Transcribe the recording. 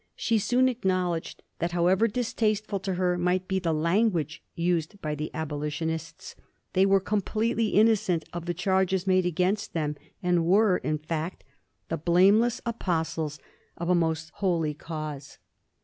She soon acknowledged that, however distasteful to her might be the language used by the abolitionists, they were completely innocent of the charges made against them, and were, in fact, the blameless apostles of a most holy cause.